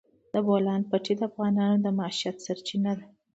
د بولان پټي د افغانانو د معیشت سرچینه ده.